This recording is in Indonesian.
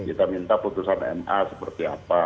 kita minta putusan ma seperti apa